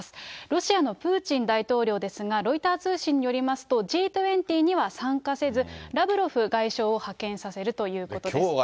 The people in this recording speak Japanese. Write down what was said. ロシアのプーチン大統領ですが、ロイター通信によりますと、Ｇ２０には参加せず、ラブロフ外相を派遣させるということです。